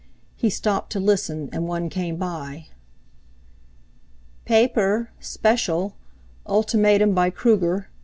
He stopped to listen, and one came by. "Payper! Special! Ultimatium by Krooger!